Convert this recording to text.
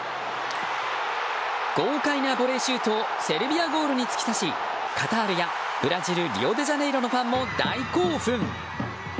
豪快なボレーシュートをセルビアゴールに突き刺しカタールやブラジル・リオデジャネイロのファンも大興奮。